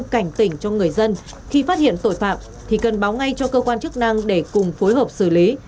cảnh tỉnh cho người dân khi phát hiện tội phạm thì cần báo ngay cho cơ quan chức năng để cùng phối hợp xử lý